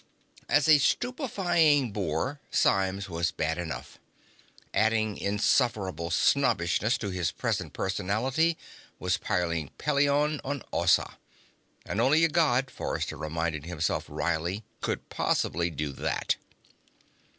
As a stupefying boor, Symes was bad enough. Adding insufferable snobbishness to his present personality was piling Pelion on Ossa. And only a God, Forrester reminded himself wryly, could possibly do that.